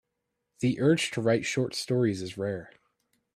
The urge to write short stories is rare.